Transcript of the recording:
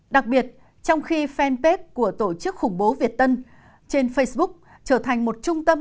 đặc biệt trong khi fanpage của tổ chức khủng bố việt tân trên facebook trở thành một trung tâm